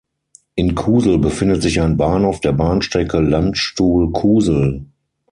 In Kusel befindet sich ein Bahnhof der Bahnstrecke Landstuhl–Kusel.